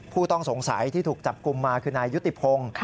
ผู้ต้องสงสัยที่ถูกจับกลุ่มมาคือนายยุติพงศ์